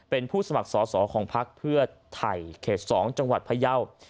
เป็นผู้สมัครสอสอของพักเพื่อไทยเขต๒จังหวัดพยาว